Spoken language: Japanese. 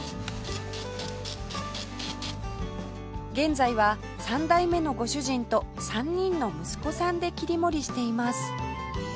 現在は３代目のご主人と３人の息子さんで切り盛りしています